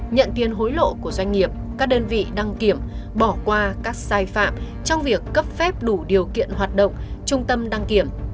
nhận tiền hối lộ của doanh nghiệp các đơn vị đăng kiểm bỏ qua các sai phạm trong việc cấp phép đủ điều kiện hoạt động trung tâm đăng kiểm